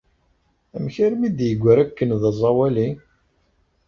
Amek armi d-yegra akken d aẓawali?